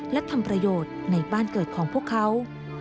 และทำประโยชน์ในบ้านเกิดของพวกเขา